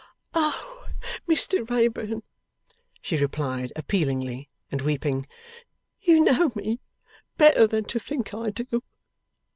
'O Mr Wrayburn,' she replied appealingly, and weeping, 'you know me better than to think I do!